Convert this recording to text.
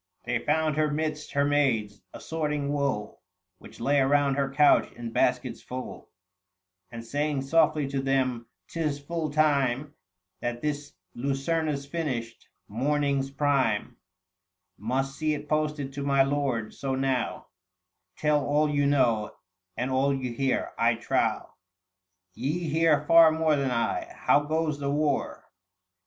61 They found her midst her maids, assorting wool, Which lay around her couch in baskets full ; And saying softly to them :" 'Tis full time That this lucerna's finished ; morning's prime 800 Must see it posted to my lord : so now Tell all you know, and all you hear ; I trow Ye hear far more than I ; How goes the war